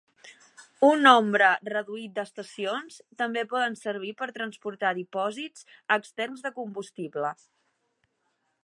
Un nombre reduït d'estacions també poden servir per transportar dipòsits externs de combustible.